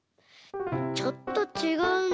ちょっとちがうな。